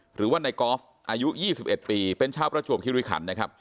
หรือว่าในกอล์ฟอายุ๒๑ปีเป็นชาวประจวบคิริขันนะครับ